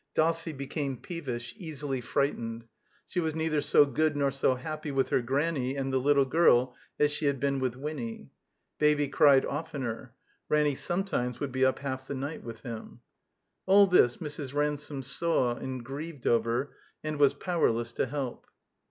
Dossie becair* peevish, easily frightened; she was neither so good nor so happy with her Granny and the little girl as she had been with Winny. Baby cried oftener. Ranny sometimes would be up half the night with him. All this Mrs. Ransome saw and grieved over and was powerless to help.